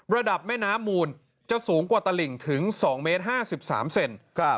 ระดับแม่น้ำมูลจะสูงกว่าตลิ่งถึง๒เมตร๕๓เซน